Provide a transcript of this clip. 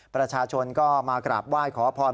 ประชาชนก็มากราบไหว้ขอพร